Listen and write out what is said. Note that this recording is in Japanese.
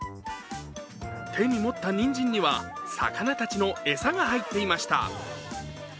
手に持ったにんじんには魚たちの餌が入っていました。